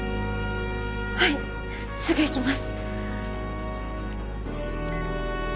はいすぐ行きます